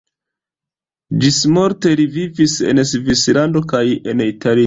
Ĝismorte li vivis en Svislando kaj en Italio.